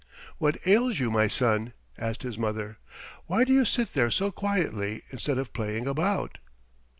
"What ails you, my son?" asked his mother. "Why do you sit there so quietly instead of playing about?"